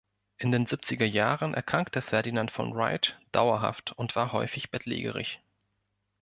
In den siebziger Jahren erkrankte Ferdinand von Wright dauerhaft und war häufig bettlägerig.